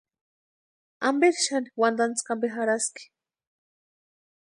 ¿Amperi xani wantantskwa ampe jarhaski?